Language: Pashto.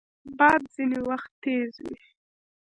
باد ځینې وخت تیز وي